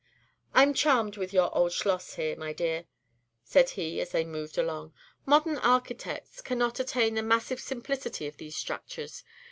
"I'm charmed with your old Schloss here, my dear," said he, as they moved along. "Modern architects cannot attain the massive simplicity of these structures.